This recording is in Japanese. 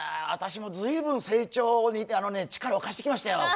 私もずいぶん成長に力を貸してきましたよ